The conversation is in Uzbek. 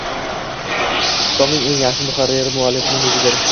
Kitobning eng yaxshi muharriri muallifning o‘zidir.